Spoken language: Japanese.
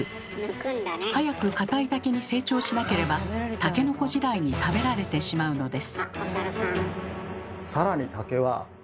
早く堅い竹に成長しなければタケノコ時代に食べられてしまうのです。